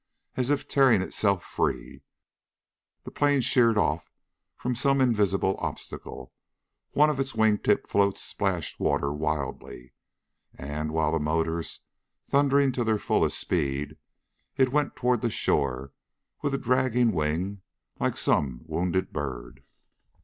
As if tearing itself free, the plane sheered off from some invisible obstacle, one of its wing tip floats splashed water wildly, and, with the motors thundering at their fullest speed, it went toward the shore with a dragging wing, like some wounded bird.